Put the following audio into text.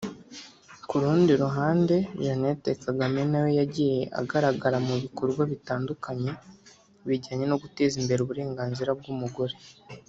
ku rundi ruhande Jeannette Kagame nawe yagiye agaragara mu bikorwa bitandukanye bijyanye guteza imbere uburenganzira bw’umugore